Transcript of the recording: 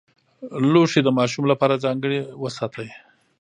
لوښي د ماشوم لپاره ځانګړي وساتئ.